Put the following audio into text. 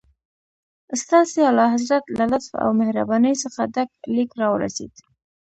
ستاسي اعلیحضرت له لطف او مهربانۍ څخه ډک لیک راورسېد.